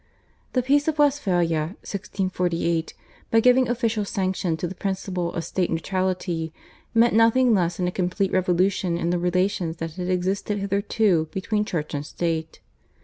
The Peace of Westphalia (1648), by giving official sanction to the principle of state neutrality, meant nothing less than a complete revolution in the relations that had existed hitherto between Church and State.